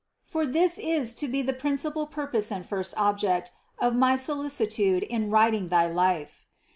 For this is to be the principal purpose and first object of my solicitude in writing thy life.